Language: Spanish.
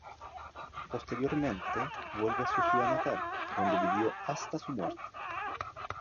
Posteriormente vuelve a su ciudad natal, donde vivió hasta su muerte.